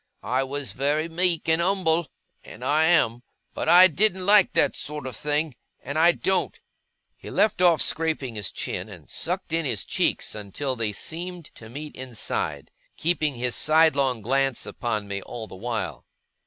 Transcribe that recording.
I was very meek and umble and I am. But I didn't like that sort of thing and I don't!' He left off scraping his chin, and sucked in his cheeks until they seemed to meet inside; keeping his sidelong glance upon me all the while.